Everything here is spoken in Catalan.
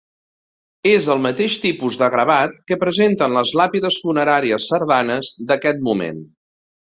És el mateix tipus de gravat que presenten les làpides funeràries cerdanes d'aquest moment.